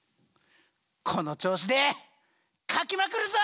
この調子で描きまくるぞ！